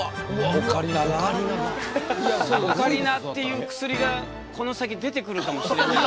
オカリナっていう薬がこの先出てくるかもしれない。